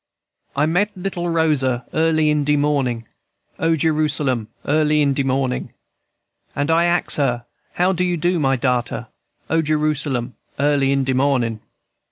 "I meet little Rosa early in de mornin', O Jerusalem! early in de mornin'; And I ax her, How you do, my darter? O Jerusalem! early in de mornin'.